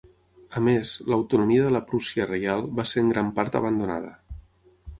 A més, l'autonomia de la Prússia Reial va ser en gran part abandonada.